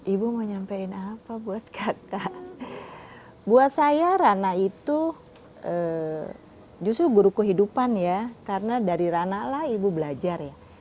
ibu mau nyampein apa buat kakak buat saya rana itu justru guru kehidupan ya karena dari rana lah ibu belajar ya